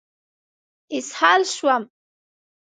اسهال شوم.